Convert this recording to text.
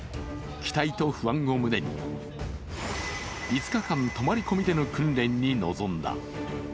期待と不安を胸に５日間泊まり込みでの訓練に臨んだ。